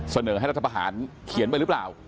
เสนอให้รัฐประหารเขียนไปหรือเปล่า